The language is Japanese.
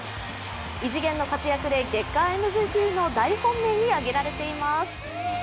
異次元の活躍で月間ＭＶＰの大本命に挙げられています。